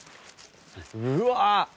・うわ！